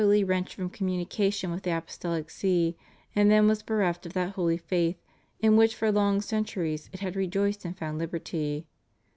339 wrenched from communication with the Apostolic See, and then was bereft of that holy faith in which for long centuries it had rejoiced and found liberty.